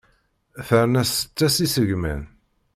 Terna tseṭṭa s isegman.